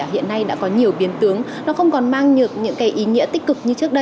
hiện nay đã có nhiều biến tướng nó không còn mang nhược những cái ý nghĩa tích cực như trước đây